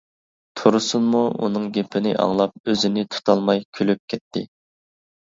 تۇرسۇنمۇ ئۇنىڭ گېپىنى ئاڭلاپ ئۆزىنى تۇتالماي كۈلۈپ كەتتى.